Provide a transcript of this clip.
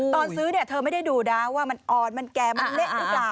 ตอนซื้อเธอไม่ได้ดูดาวว่ามันอ่อนมันแกล้อมันเละหรือเปล่า